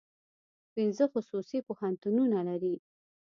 پنځه خصوصي پوهنتونونه لري.